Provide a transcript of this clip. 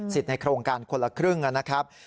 ในโครงการคนละครึ่งนะครับ